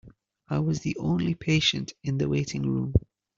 I was the only patient in the waiting room.